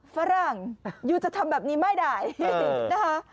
ฝรั่งยูจะทำแบบนี้ไม่ได้นะคะ